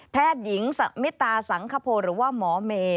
แพทย์หญิงมิตราสังคพลหรือว่าหมอเมย์